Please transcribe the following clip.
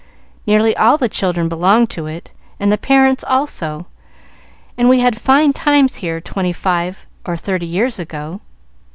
Nearly all the children belonged to it, and the parents also, and we had fine times here twenty five or thirty years ago."